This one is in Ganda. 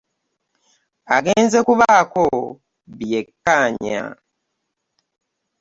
Agenze kubaako bye yekkaanya.